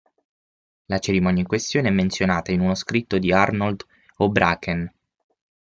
La cerimonia in questione è menzionata in uno scritto di Arnold Houbraken.